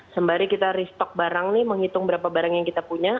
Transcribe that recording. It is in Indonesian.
sembari kita restock barang nih menghitung berapa barang yang kita punya